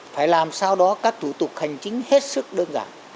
phải làm sao đó các thủ tục hành chính hết sức đơn giản